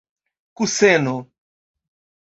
kuseno